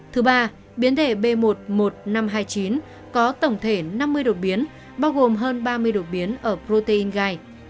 thứ ba biến thể b một mươi một nghìn năm trăm hai mươi chín có tổng thể năm mươi đột biến bao gồm hơn ba mươi đột biến ở protein gai